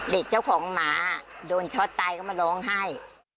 เจ้าของหมาโดนช็อตตายก็มาร้องไห้